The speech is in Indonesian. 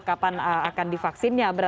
kapan akan divaksinnya